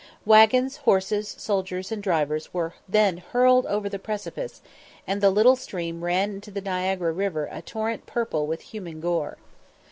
Waggons, horses, soldiers, and drivers were then hurled over the precipice, and the little stream ran into the Niagara river a torrent purple with human gore.